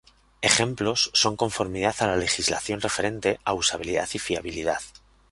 Ejemplos son conformidad a la legislación referente a usabilidad y fiabilidad.